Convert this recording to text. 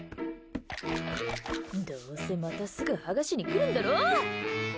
どうせまたすぐ剥がしに来るんだろ？